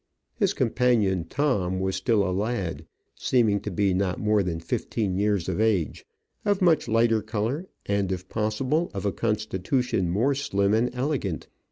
His companion, Tom, was still a lad, seeming to be not more than fifteen years of age, of much lighter colour, and, if possible, of a constitution more slim and elegant.